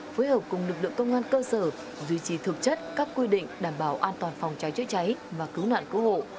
phối hợp cùng lực lượng công an cơ sở duy trì thực chất các quy định đảm bảo an toàn phòng cháy chữa cháy và cứu nạn cứu hộ